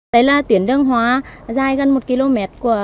đấy là tiển đường hoa dài gần một km